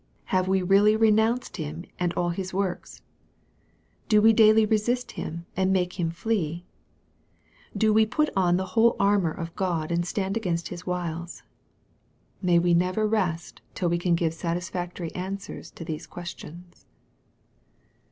Have we really renounced him and all his works ? Do we daily resist him and make him flee ? Do we put on the whole armor of God and stand against his wiles. May we never rest till we can give satisfactory answers to these questions.